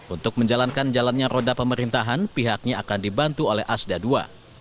untuk menjalankan jalannya roda pemerintahan pihaknya akan dibantu oleh asda ii